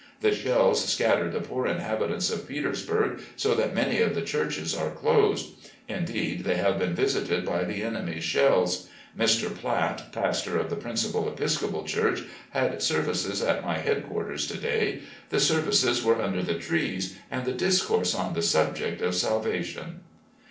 The shells scattered the poor inhabitants of Petersburg so that many of the churches are closed. Indeed, they have been FRONTING THE ARMY OF THE POTOMAC 135 visited by the enemy's sheik. Mr. Platt, pastor of the principal Episcopal church, had services at my head quarters to day. The services were under the trees, and the discourse on the subject of salvation.